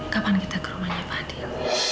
kapan kita ke rumahnya fadil